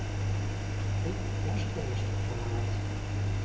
Тут цяжка нешта планаваць.